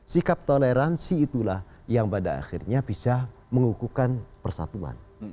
sikap toleransi itulah yang pada akhirnya bisa mengukuhkan persatuan